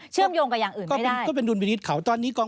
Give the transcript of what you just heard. เชื่อมโยงกับอย่างอื่นไม่ได้